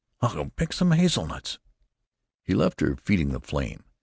"I'll go pick some hazelnuts." He left her feeding the flame.